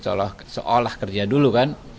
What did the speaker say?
seolah kerja dulu kan